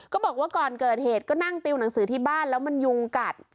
บอกว่าก่อนเกิดเหตุก็นั่งติวหนังสือที่บ้านแล้วมันยุงกัด